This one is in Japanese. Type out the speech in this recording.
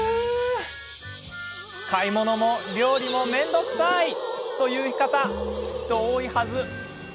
買い物も料理も面倒くさい！という方、きっと多いはず。